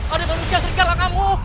aduh manusia segala kamu